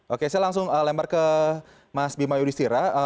oke saya langsung lempar ke mas bima yudhistira